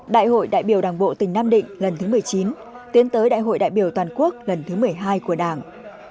đại hội đại biểu đảng bộ tỉnh nam định lần thứ một mươi chín tiến tới đại hội đại biểu toàn quốc lần thứ một mươi hai của đảng